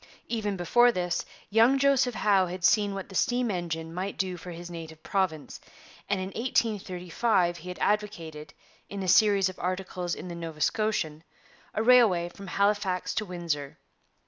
Even before this, young Joseph Howe had seen what the steam engine might do for his native province, and in 1835 he had advocated, in a series of articles in the Nova Scotian, a railway from Halifax to Windsor.